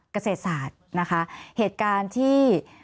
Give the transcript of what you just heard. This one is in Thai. เกษตรศาสตร์นะคะเหตุการณ์ที่